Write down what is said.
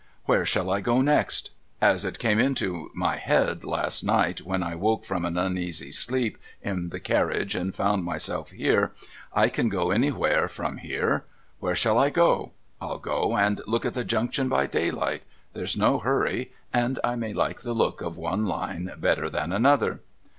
Where shall I go next ? As it came into my head last night when I woke from an uneasy sleep in the carriage and found myself here, I can go anywhere from here. Where shall I go ? I'll go and look at the Junction by daylight. There's no hurry, and I may like the look of one Line better than another.'